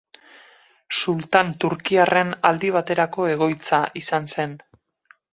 Sultan turkiarren aldi baterako egoitza izan zen.